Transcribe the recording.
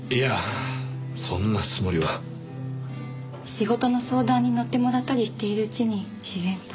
仕事の相談に乗ってもらったりしているうちに自然と。